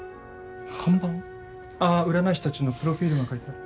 ああ占い師たちのプロフィールが書いてある。